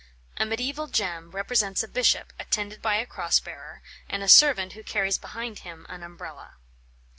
A mediæval gem represents a bishop, attended by a cross bearer, and a servant who carries behind him an Umbrella.